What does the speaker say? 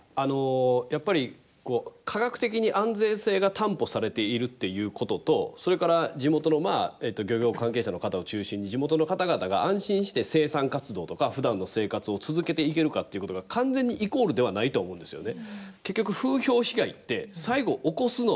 やっぱり、科学的に安全性が担保されているっていうことと、それから地元の漁業関係者の方を中心に地元の方々が安心して生産活動とか、ふだんの生活を続けていけるかっていうことが完全にイコールではないと思うんですよね。